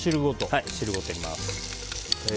汁ごと入れます。